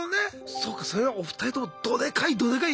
そうかそれはお二人ともどでかいどでかい夢みましたもんね。